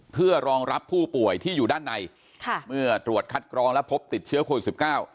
เพื่อรองรับผู้ป่วยที่อยู่ด้านในค่ะเมื่อตรวจคัดกรองแล้วพบติดเชื้อโควิดสิบเก้า